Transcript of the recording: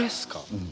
うん。